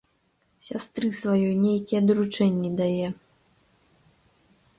Сястры сваёй нейкія даручэнні дае.